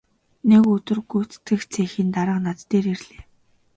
Нэг өдөр гүйцэтгэх цехийн дарга над дээр ирлээ.